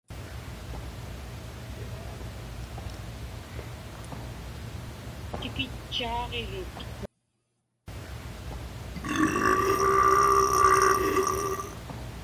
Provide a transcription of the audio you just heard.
Tikitchaaġirut.